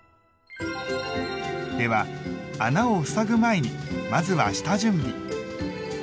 では穴をふさぐ前にまずは下準備！